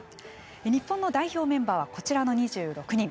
日本の代表メンバーはこちらの２６人。